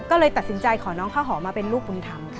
ก็เลยตัดสินใจขอน้องข้าวหอมมาเป็นลูกบุญธรรม